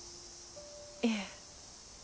いえ。